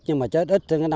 nhưng mà chết ít